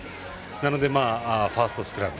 なので、ファーストスクラム。